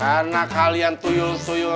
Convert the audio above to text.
hai anak kalian tuyul tuyul anak